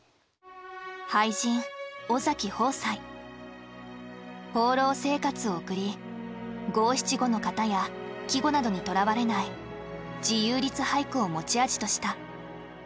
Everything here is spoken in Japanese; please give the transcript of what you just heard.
俳人放浪生活を送り五七五の型や季語などにとらわれない自由律俳句を持ち味とした。